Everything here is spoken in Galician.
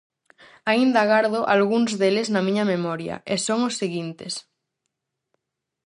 Aínda gardo algúns deles na miña memoria, e son os seguintes: